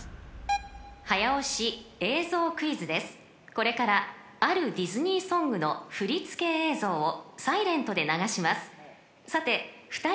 ［これからあるディズニーソングの振り付け映像をサイレントで流します］